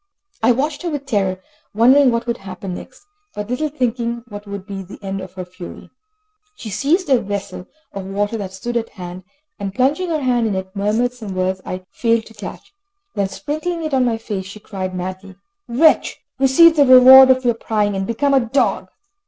I watched her with terror, wondering what would happen next, but little thinking what would be the end of her fury. She seized a vessel of water that stood at hand, and plunging her hand in it, murmured some words I failed to catch. Then, sprinkling it on my face, she cried madly: "Wretch, receive the reward of your prying, and become a dog."